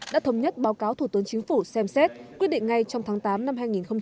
đã thống nhất báo cáo thủ tướng chính phủ xem xét quyết định ngay trong tháng tám năm hai nghìn hai mươi